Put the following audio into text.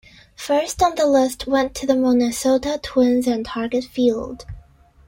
First on the list went to the Minnesota Twins and Target Field.